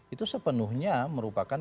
itu sepenuhnya merupakan